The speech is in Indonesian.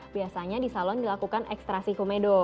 biasanya di salon dilakukan ekstrasi komedo